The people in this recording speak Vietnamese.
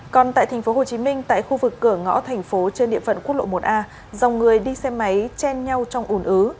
còn tại tp hcm tại khu vực cửa ngõ thành phố trên địa phận quốc lộ một a dòng người đi xe máy chen nhau trong ủn ứ